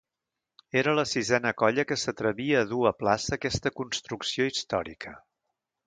Era la sisena colla que s'atrevia a dur a plaça aquesta construcció històrica.